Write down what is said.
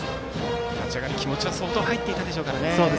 立ち上がり、気持ちは相当入っていたでしょうから。